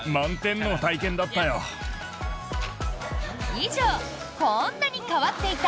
以上、こんなに変わっていた！